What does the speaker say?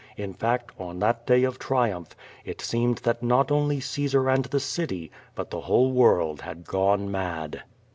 In fact, on that day of triumph^it seemed that not only Caesar and the city, but the whole world had gone mad.